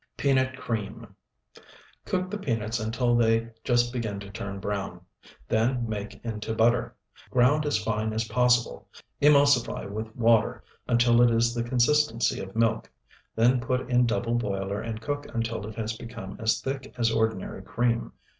PEANUT CREAM Cook the peanuts until they just begin to turn brown. Then make into butter, ground as fine as possible. Emulsify with water until it is the consistency of milk. Then put in double boiler and cook until it has become as thick as ordinary cream.